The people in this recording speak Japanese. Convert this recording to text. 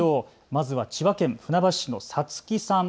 まずは千葉県船橋市のさつきさん。